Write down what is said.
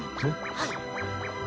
はい。